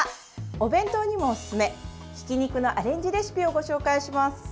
お弁当にもおすすめひき肉のアレンジレシピをご紹介します。